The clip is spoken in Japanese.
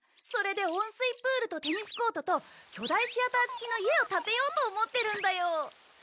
それで温水プールとテニスコートと巨大シアター付きの家を建てようと思ってるんだよ。